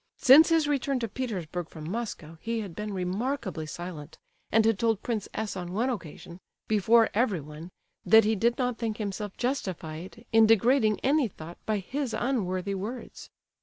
Since his return to Petersburg from Moscow, he had been remarkably silent, and had told Prince S. on one occasion, before everyone, that he did not think himself justified in degrading any thought by his unworthy words.